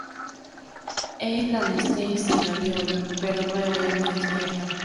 Él la anestesia y la viola, pero luego ella no despierta.